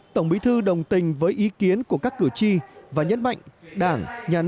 tổng bí thư đồng tình với ý kiến của các cử tri và nhấn mạnh